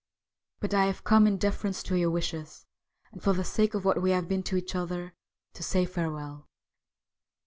But I have come in deference to your wishes, and, for the sake of what we have been to each other, to say farewell.